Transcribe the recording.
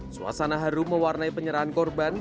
suasana harum mewarnai penyerahan korban